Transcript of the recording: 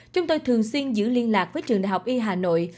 chúng tôi thường xuyên giữ liên lạc với trường đhy hà nội